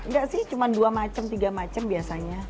nggak sih cuma dua macem tiga macem biasanya